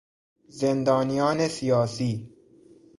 زندانیان سیاسی